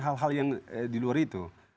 hal hal yang di luar itu